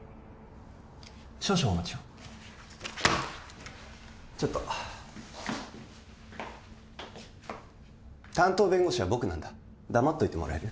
少々お待ちをちょっと担当弁護士は僕なんだ黙っといてもらえる？